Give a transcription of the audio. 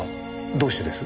どうしてです？